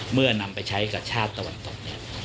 เมื่อนำไปใช้กับชาติตะวันตก